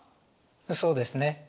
そうですね。